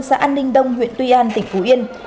xã an ninh đông huyện tuy an tỉnh phú yên